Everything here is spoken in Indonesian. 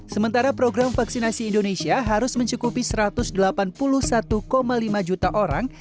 sementara program vaksinasi indonesia harus mencukupi satu ratus delapan puluh satu lima juta orang